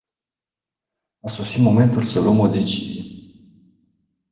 A sosit momentul să luăm o decizie.